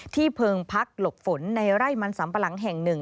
เพิงพักหลบฝนในไร่มันสัมปะหลังแห่งหนึ่ง